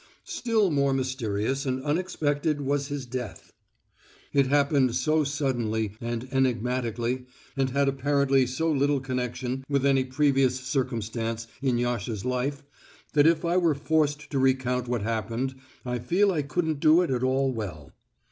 Still more mysterious and unexpected was his death. It happened so suddenly and enigmatically and had apparently so little connection with any previous circumstance in Yasha's life that if I were forced to recount what happened I feel I couldn't do it at all well.